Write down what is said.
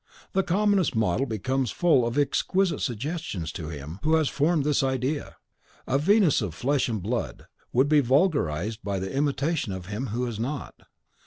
The commonest model becomes full of exquisite suggestions to him who has formed this idea; a Venus of flesh and blood would be vulgarised by the imitation of him who has not.